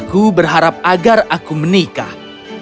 aku berharap agar aku menikah